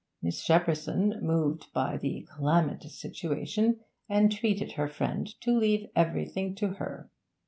Miss Shepperson, moved by the calamitous situation, entreated her friend to leave everything to her.